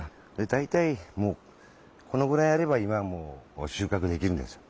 だいたいこのぐらいあれば今はもう収穫できるんですよ。